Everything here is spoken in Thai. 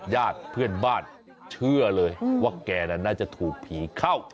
ญาติเพื่อนบ้านเชื่อเลยว่าแกน่าจะถูกผีเข้า